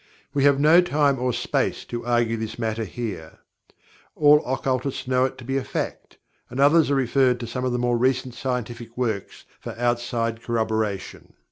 We have no time or space to argue this matter here. All occultists know it to be a fact, and others are referred to some of the more recent scientific works for outside corroboration.